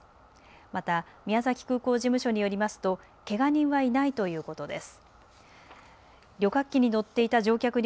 また宮崎空港事務所によりますとけが人はいないということです。